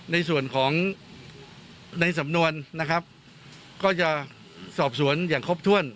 ในส่วนของในสำนวนนะครับก็จะสอบสวนอย่างครบถ้วน